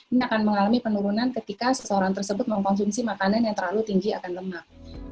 ini akan mengalami penurunan ketika seseorang tersebut mengkonsumsi makanan yang terlalu tinggi akan lemak